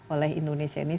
oleh indonesia ini